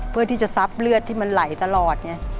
เพื่อที่จะซับเลือดที่มันไหลตลอดไง